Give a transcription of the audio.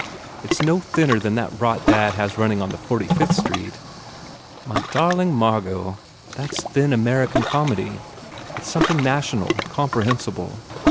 It s no thinner than that rot dad has running at the Forty Fifth Street !" u My darling Margot, that s thin American comedy. It s something national, comprehen sible.